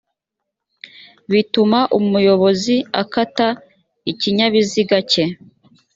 bituma umuyobozi akata ikinyabiziga cye